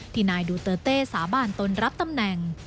นายดูเตอร์เต้สาบานตนรับตำแหน่ง